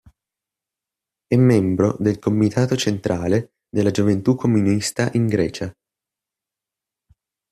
È membro del Comitato Centrale della Gioventù Comunista di Grecia.